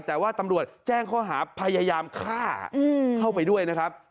แต่ว่าตำรวจแจ้งข้อหาพยายามฆ่าเข้าไปด้วยนะครับ